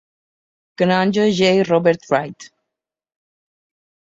Canonge J. Robert Wright.